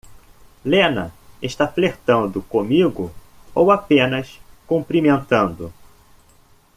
Lena está flertando comigo ou apenas cumprimentando?